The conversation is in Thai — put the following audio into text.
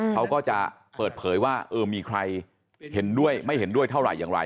เขาก็จะเปิดเผยว่าเออมีใครเห็นด้วยไม่เห็นด้วยเท่าไหร่อย่างไร